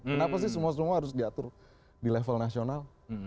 kenapa sih semua semua harus diatur di level nasional